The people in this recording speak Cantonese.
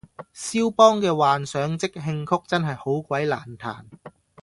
蕭邦嘅幻想即興曲真係好鬼難彈